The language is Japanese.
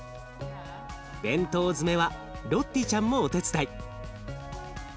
弁当詰めはロッティちゃんもお手伝い。